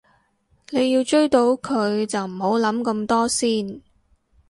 你要追到佢就唔好諗咁多先